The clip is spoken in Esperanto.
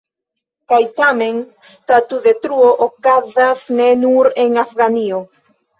Kaj tamen, statudetruo okazas ne nur en Afganio.